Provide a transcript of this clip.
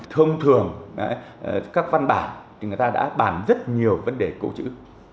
thông thường các văn bản thì người ta đã bản rất nhiều vấn đề câu chữ